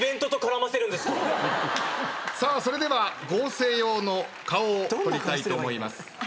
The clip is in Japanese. さあそれでは合成用の顔を撮りたいと思います。